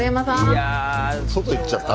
外行っちゃった？